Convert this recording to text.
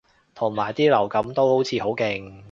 同埋啲流感都好似好勁